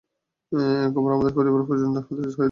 একে আমরা আমাদের পরিবার-পরিজনের কাছে নিয়ে যাব কি?